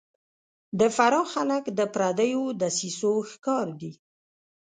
د فراه خلک د پردیو دسیسو ښکار دي